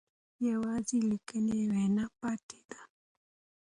یوازې لیکلې وینا پاتې ده.